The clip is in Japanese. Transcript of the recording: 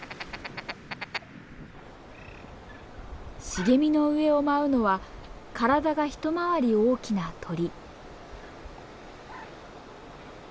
茂みの上を舞うのは体が一回り大きな鳥。